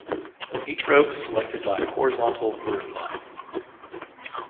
Each row is selected by a horizontal "word line".